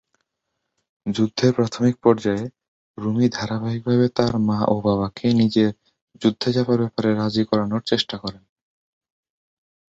যুদ্ধের প্রাথমিক পর্যায়ে, রুমী ধারাবাহিকভাবে তার মা ও বাবাকে নিজের যুদ্ধে যাবার ব্যাপারে রাজি করানোর চেষ্টা করেন।